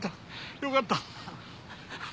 よかった。